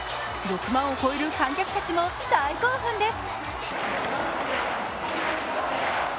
６万を超える観客たちも大興奮です